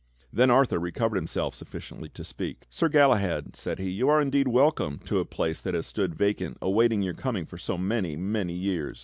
Then Arthur recovered himself suffi ciently to speak: "Sir Galahad," said he, "you are indeed welcome to a place that has stood vacant awaiting your coming for so many, many years.